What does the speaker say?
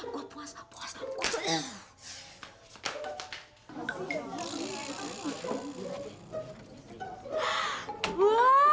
wah puasa puasa puasa